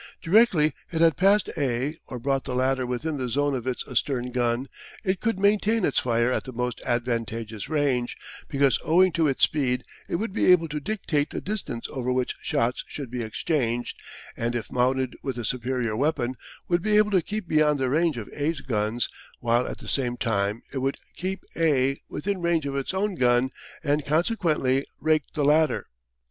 Directly it had passed A or brought the latter within the zone of its astern gun it could maintain its fire at the most advantageous range, because owing to its speed it would be able to dictate the distance over which shots should be exchanged and if mounted with a superior weapon would be able to keep beyond the range of A's guns while at the same time it would keep A within range of its own gun and consequently rake the latter.